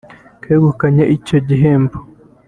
kegukanye icyo gihembo